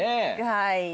はい。